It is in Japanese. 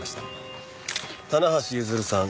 棚橋譲さん